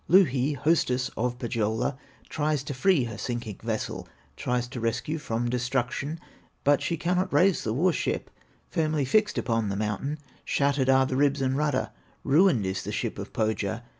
Louhi, hostess of Pohyola, Tries to free her sinking vessel, Tries to rescue from destruction; But she cannot raise the war ship, Firmly fixed upon the mountain; Shattered are the ribs and rudder, Ruined is the ship of Pohya.